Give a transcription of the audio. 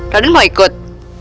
raden mau ikut